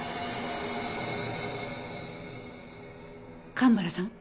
蒲原さん？